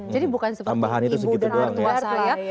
jadi bukan seperti ibu dan ardua saya